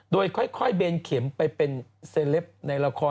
โดยค่อยเบนเข็มไปเป็นเซลปในละคร